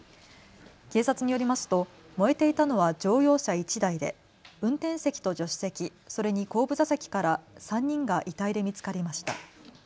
警察によりますと燃えていたのは乗用車１台で運転席と助手席、それに後部座席から３人が遺体で見つかりました。